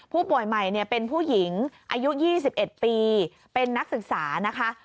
ผู้ป่วยใหม่เป็นผู้หญิงอายุ๒๑ปีเป็นนักศึกษานะคะ